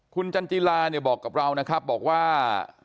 คุณจันจิลาเนี่ยบอกกับเรานะครับบอกว่า